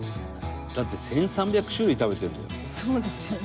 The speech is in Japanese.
だって１３００種類食べてるんだよ。